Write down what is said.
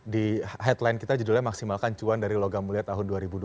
di headline kita judulnya maksimalkan cuan dari logam mulia tahun dua ribu dua puluh